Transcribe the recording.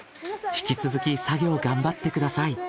引き続き作業頑張ってください。